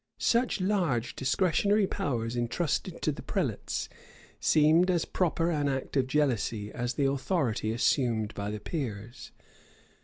Such large discretionary powers intrusted to the prelates seem as proper an object of jealousy as the authority assumed by the peers.